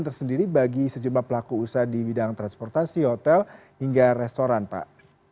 tersendiri bagi sejumlah pelaku usaha di bidang transportasi hotel hingga restoran pak